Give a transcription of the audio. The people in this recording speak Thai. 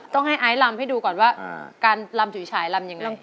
ต้องให้ไอซ์ลำให้ดูก่อนว่าการลำฉุยฉายลำยังไง